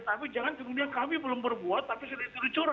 tapi jangan kemudian kami belum berbuat tapi sudah disuruh curah